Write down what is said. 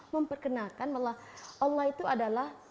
memperkenalkan bahwa allah itu adalah